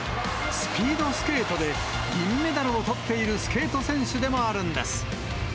スピードスケートで銀メダルをとっているスケート選手でもあるんです。